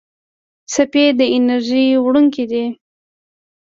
څپې د انرژۍ وړونکي دي.